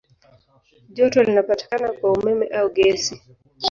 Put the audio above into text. Joto linapatikana kwa umeme au gesi.